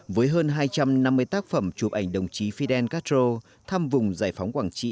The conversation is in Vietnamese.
với hơn hai trăm năm mươi tác phẩm chụp ảnh đồng chí fidel castro thăm vùng giải phóng quảng trị